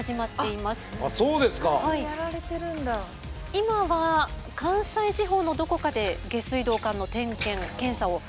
今は関西地方のどこかで下水道管の点検・検査をしているという。